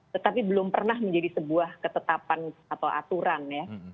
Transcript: tetapi belum pernah menjadi sebuah ketetapan atau aturan ya